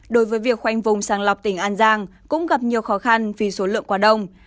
đối với việc khoanh vùng sàng lọc tỉnh an giang cũng gặp nhiều khó khăn vì số lượng quá đông